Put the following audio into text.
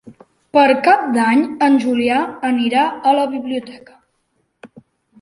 Per Cap d'Any en Julià anirà a la biblioteca.